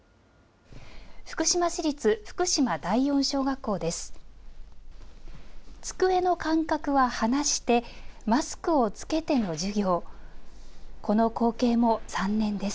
福島市立福島第四小学校です。